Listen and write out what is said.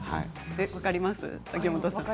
分かりますか？